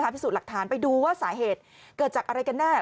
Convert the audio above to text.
พิสูจน์หลักฐานไปดูว่าสาเหตุเกิดจากอะไรกันแน่